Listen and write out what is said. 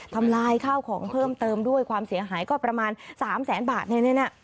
ทำลายข้าวของเพิ่มเติมด้วยความเสียหายก็ประมาณ๓แสนบาท